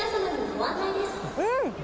うん！